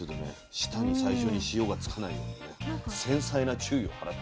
舌に最初に塩がつかないようにね繊細な注意を払って。